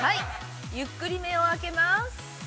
◆ゆっくり目をあけます。